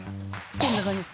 こんな感じです